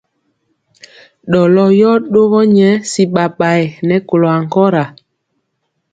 Ɗɔlɔ yɔ ɗogɔ nyɛ si ɓaɓayɛ nɛ kolɔ ankɔra.